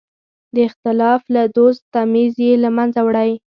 د اختلاف او دوست تمیز یې له منځه وړی.